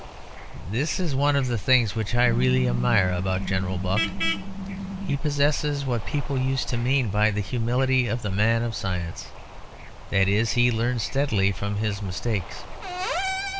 This is one of the things which I really admire about General Buck. He possesses what people used to mean by 'the humility of the man of science,' that is, he learns steadily from his mistakes.